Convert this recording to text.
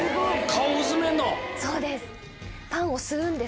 そうです。